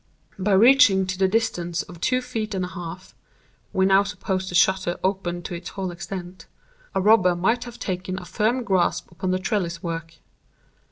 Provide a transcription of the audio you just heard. By reaching to the distance of two feet and a half (we now suppose the shutter open to its whole extent) a robber might have taken a firm grasp upon the trellis work.